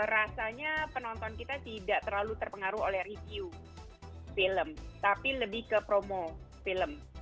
rasanya penonton kita tidak terlalu terpengaruh oleh review film tapi lebih ke promo film